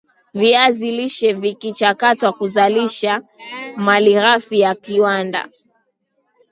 viazi lishe vikichakatwa huzalisha malighafi ya viwanda